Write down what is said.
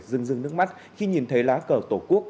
dân rưng nước mắt khi nhìn thấy lá cờ tổ quốc